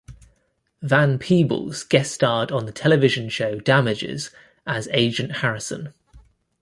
Van Peebles guest-starred on the television show "Damages", as Agent Harrison.